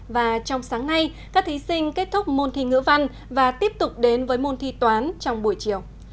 và trong sáng nay các thí sinh kết thúc môn thi ngữ văn và tiếp tục đến với môn thi toán trong buổi chiều